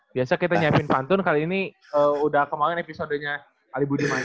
biasa kita nyiapin pantun kali ini udah kemarin episodenya ali budiman